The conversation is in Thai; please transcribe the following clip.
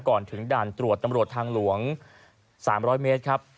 ก่อนถึงด่านตรวจตำรวจทางหลวง๓๐๐เมตรครับ